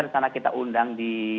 di sana kita undang di